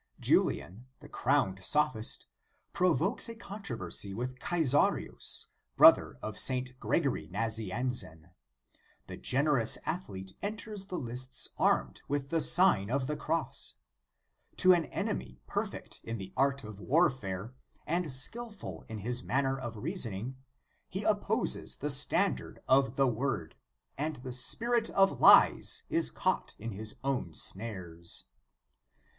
Julian, the crowned sophist, provokes a controversy with Caesarius, brother of St. Gregory Nazianzen. The generous athlete enters the lists armed with the Sign of the Cross. To an enemy perfect in that art of warfare, and skilful in his manner of reason ing, he opposes the standard of the Word, and the spirit of lies is caught in his own snares.